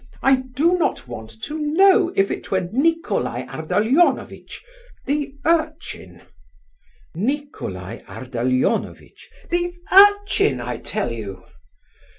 "I do not want to know if it were Nicolai Ardalionovitch! The urchin!" "Nicolai Ardalionovitch..." "The urchin, I tell you!"